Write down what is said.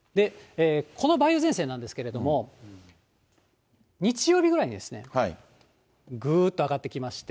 この梅雨前線なんですけれども、日曜日ぐらいに、ぐーっと上がってきまして。